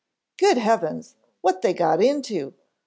"Good Heavens, what they got into?"